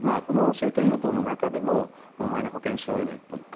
政権与党の中にはマイナ保険証への一本化